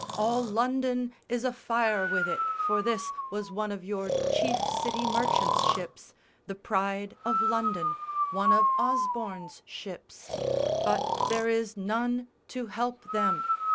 All London is afire with it, for this Was one of your chief city merchant's ships The Pride of London, one of Osborne's ships! But there is none to help them!